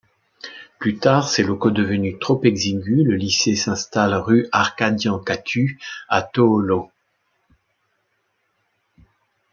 Plus tard, ces locaux devenus trop exigus, le lycée s'installe rue Arkadiankatu à Töölö.